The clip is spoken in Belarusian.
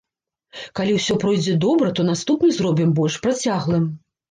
Калі ўсё пройдзе добра, то наступны зробім больш працяглым.